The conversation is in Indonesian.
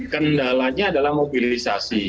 kendalanya adalah mobilisasi